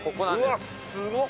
うわっすごっ。